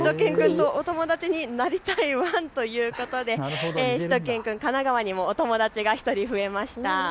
しゅと犬くんとお友達になりたいワンということでしゅと犬くん、神奈川にもお友達が１人増えました。